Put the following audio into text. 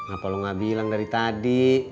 apa lo gak bilang dari tadi